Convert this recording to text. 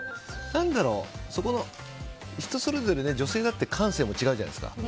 人それぞれ、女性だって感性も違うじゃないですか。